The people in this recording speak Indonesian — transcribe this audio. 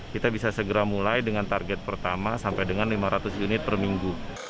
kita bisa segera mulai dengan target pertama sampai dengan lima ratus unit per minggu